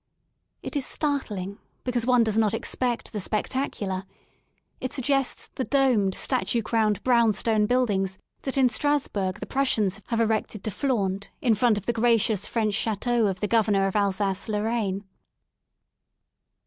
It is startling, because one does not expect the spectacular; it suggests the domed, statue crowned brown stone buildings that in Strasburg the Prussians have erected to flaunt in front of the gracious French chateau of the governor of Alsace Lorraine.